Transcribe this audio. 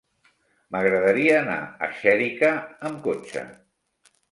M'agradaria anar a Xèrica amb cotxe.